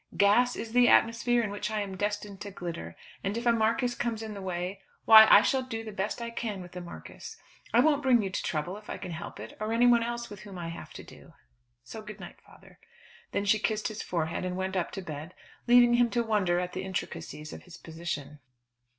Gas is the atmosphere in which I am destined to glitter; and if a Marquis comes in the way, why, I shall do the best I can with the Marquis. I won't bring you to trouble if I can help it, or anyone else with whom I have to do. So good night, father." Then she kissed his forehead, and went up to bed leaving him to wonder at the intricacies of his position.